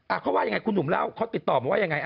เขาว่ายังไงคุณหนุ่มเล่าเขาติดต่อมาว่ายังไง